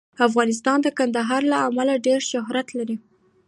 افغانستان د کندهار له امله ډېر شهرت لري.